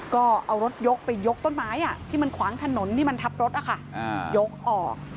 ก็เอารถยกไปยกต้นไม้ที่มันขวางถนนที่มันทับรถยกออก